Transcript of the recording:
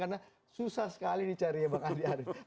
karena susah sekali dicari ya bang andi arief